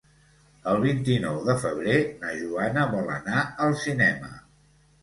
El vint-i-nou de febrer na Joana vol anar al cinema.